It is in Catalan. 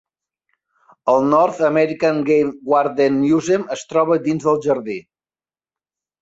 El North American Game Warden Museum es troba dins del jardí.